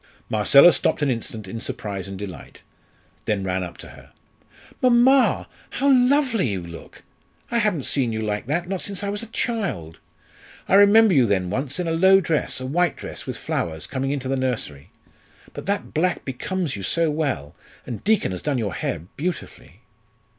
Marcella stopped an instant in surprise and delight, then ran up to her. "Mamma, how lovely you look! I haven't seen you like that, not since I was a child. I remember you then once, in a low dress, a white dress, with flowers, coming into the nursery. But that black becomes you so well, and Deacon has done your hair beautifully!"